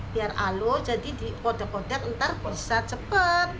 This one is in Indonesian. biar halus jadi dikode kode ntar pesat cepet